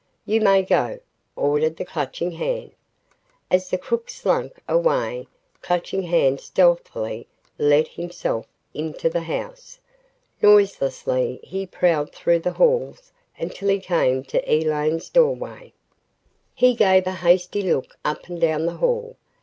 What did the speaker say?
"You may go," ordered the Clutching Hand. As the crook slunk away, Clutching Hand stealthily let himself into the house. Noiselessly he prowled through the halls until he came to Elaine's doorway. He gave a hasty look up and down the hall.